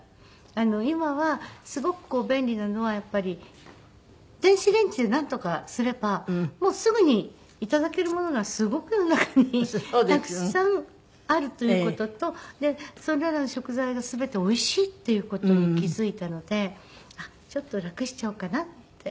今はすごく便利なのはやっぱり電子レンジでなんとかすればもうすぐに頂けるものがすごく楽にたくさんあるという事とでそれらの食材が全ておいしいっていう事に気付いたのでちょっと楽しちゃおうかなって。